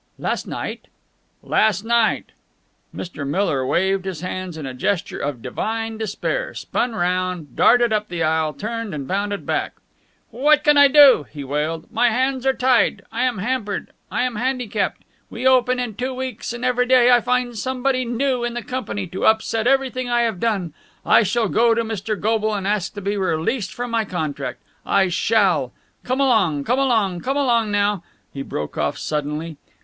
"Last night." "Last night." Mr. Miller waved his hands in a gesture of divine despair, spun round, darted up the aisle, turned, and bounded back. "What can I do?" he wailed. "My hands are tied! I am hampered! I am handicapped! We open in two weeks and every day I find somebody new in the company to upset everything I have done. I shall go to Mr. Goble and ask to be released from my contract. I shall.... Come along, come along, come along now!" he broke off suddenly.